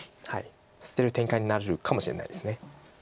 捨てる展開になるかもしれないです。